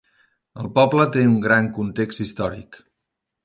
El poble té un gran context històric.